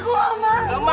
aku mau sama opah